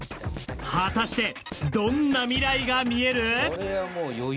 果たしてどんな未来がみえる？